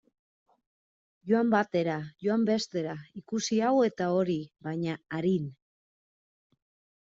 Joan batera, joan bestera, ikusi hau eta hori, baina arin.